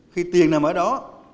khi tiền nằm ở đó